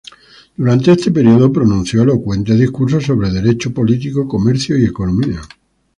Durante este período, pronunció elocuentes discursos sobre derecho político, comercio y economía.